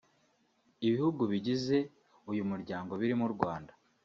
Ibihugu bigize uyu muryango birimo u Rwanda